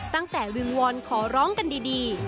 ตั้งแต่วิมวอนขอร้องกันดี